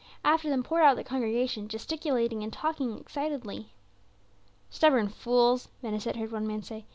After them poured out the congregation, gesticulating and talking excitedly. "Stubborn fools," Ben Hesed heard one man say.